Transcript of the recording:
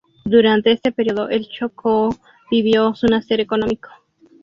Durante este periodo el Chocó vivió su nacer económico.